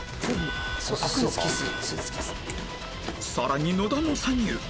さらに野田も参入！